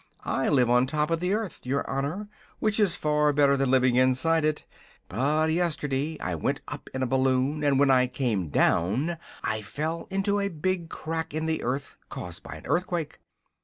I live on top of the earth, your honor, which is far better than living inside it; but yesterday I went up in a balloon, and when I came down I fell into a big crack in the earth, caused by an earthquake.